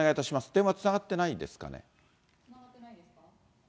電話つながってないですかね？